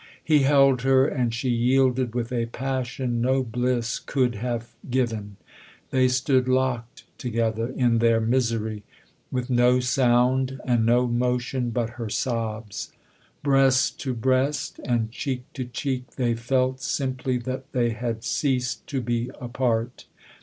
He held her and she yielded with a passion no bliss could have given; they stood locked together in their misery with no sound and no motion but her sobs. Breast to breast and cheek to cheek, they felt simply that they had ceased to be apart.